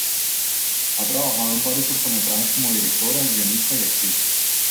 Ha trabajado en varios cortometrajes como directora, guionista y actriz.